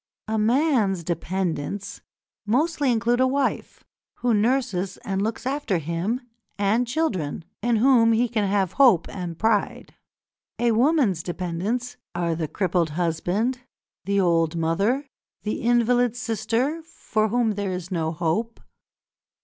A man's "dependents" mostly include a wife, who nurses and looks after him, and children, in whom he can have hope and pride. A woman's dependents are the crippled husband, the old mother, the invalid sister for whom there is no hope.